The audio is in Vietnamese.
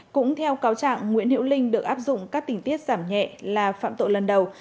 cũng theo cáo trạng nguyễn hiệu linh được áp dụng các tình tiết giảm nhẹ là phạm tội lần đầu